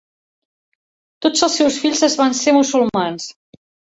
Tots els seus fills es van ser musulmans.